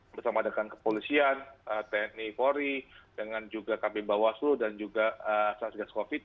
bersama adegan kepolisian tni pori dengan juga kpm bawaslu dan juga sargas covid